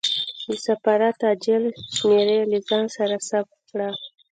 د سفارت عاجل شمېرې له ځان سره ثبت کړه.